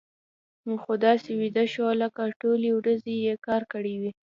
خر داسې ویده شو لکه ټولې ورځې يې کار کړی وي.